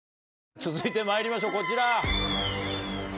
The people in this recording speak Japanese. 続いてまいりましょうこちら。